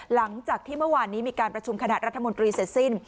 หลังจากที่เมื่อวานนี้มีการประชุมคณะรัฐมนตรีเสร็จสิ้น